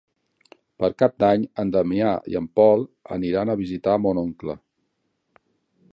Per Cap d'Any en Damià i en Pol aniran a visitar mon oncle.